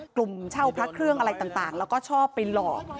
กลุ่มเช่าพระเครื่องอะไรต่างแล้วก็ชอบไปหลอก